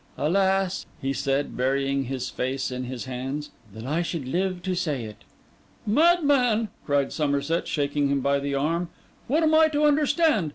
Alas!' he said, burying his face in his hands, 'that I should live to say it!' 'Madman!' cried Somerset, shaking him by the arm. 'What am I to understand?